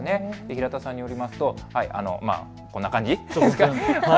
平田さんによりますとこんな感じ。